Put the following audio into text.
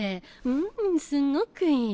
んんすっごくいい。